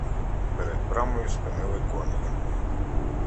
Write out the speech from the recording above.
Перед брамою спинили коней.